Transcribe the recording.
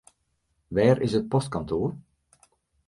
Wêr is it postkantoar?